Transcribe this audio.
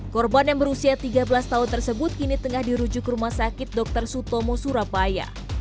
korban yang berusia tiga belas tahun tersebut kini tengah dirujuk ke rumah sakit dr sutomo surabaya